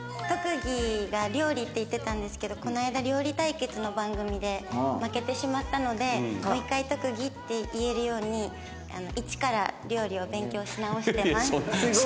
特技が料理って言ってたんですけどこの間料理対決の番組で負けてしまったのでもう１回特技って言えるように一から料理を勉強し直してます。